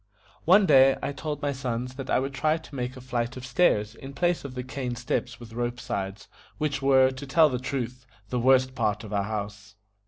One day I told my sons that I would try to make a flight of stairs in place of the cane steps with rope sides, which were, to tell the truth, the worst part of our house.